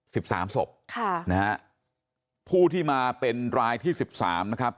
สิบสามศพค่ะนะฮะผู้ที่มาเป็นรายที่สิบสามนะครับ